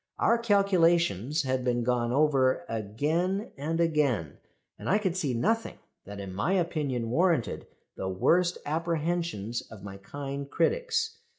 Our calculations had been gone over again and again, and I could see nothing that in my opinion warranted the worst apprehensions of my kind critics.